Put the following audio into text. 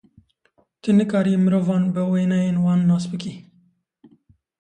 Tu nikarî mirovan bi wêneyên wan nas bikî.